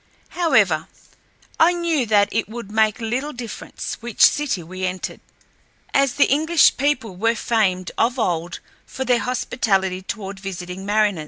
However, I knew that it would make little difference which city we entered, as the English people were famed of old for their hospitality toward visiting mariners.